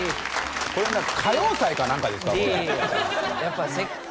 歌謡祭か何かですか？